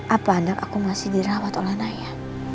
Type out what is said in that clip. apa anak aku masih dirawat oleh ayah